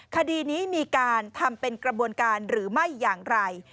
คดีนี้มีการทำเป็นกระบวนการหรือไม่อย่างไร